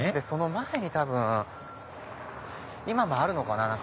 その前に多分今もあるのかな？